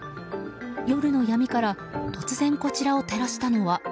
夜の闇から突然、こちらを照らしたのは。